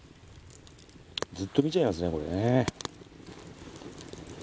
ずっと見ちゃいますねこれね。